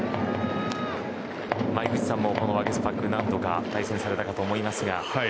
井口さんもワゲスパック何度か対戦されたかと思いますが。